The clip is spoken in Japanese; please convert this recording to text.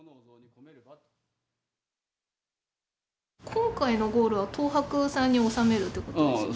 今回のゴールは東博さんに納めるってことですよね？